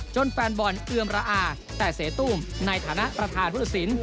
จนแฟนบอลเอื้อมระอาแต่เสตุ้มในฐานะรทานภูตศิลป์